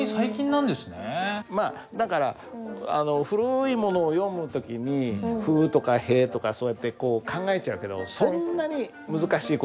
まあだから古いものを読む時に「ふ」とか「へ」とかそうやってこう考えちゃうけどそうですか。